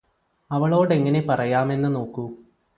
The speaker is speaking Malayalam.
അവളോടെങ്ങനെ പറയാമെന്ന് നോക്കൂ